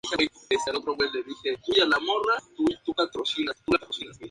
Contrajo matrimonio con Susan Kehl y con ella tuvo dos hijas.